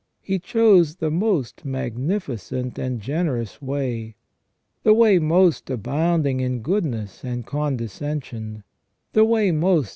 He chose the most magnificent and generous way, the way most abounding in goodness and condescension, the way most 314 THE RESTORATION OF MAN.